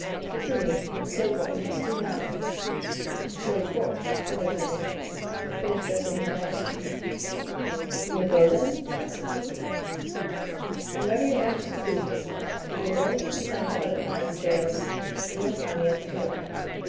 Continue, and say what we must do now." "Monsieur Laporte," said D'Artagnan, "finish dressing his majesty." "We may go, then?" asked the queen. "Whenever your majesty pleases. You have only to descend by the private stairs and you will find me at the door."